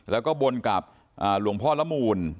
แล้วก็บนกับหลวงพ่อละมูล